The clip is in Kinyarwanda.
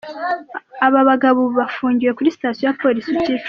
Aba bagabo ubu bafungiwe kuri Sitasiyo ya Polisi ya Kicukiro.